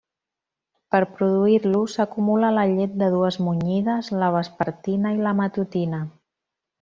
Per produir-lo s'acumula la llet de dues munyides, la vespertina i la matutina.